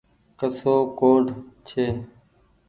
ڪسو ڪوڊ ڇي۔